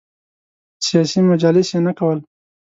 سیاسي مجالس یې نه کول.